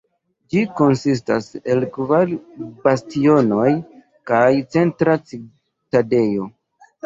Ĝi konsistas el kvar bastionoj kaj centra citadelo.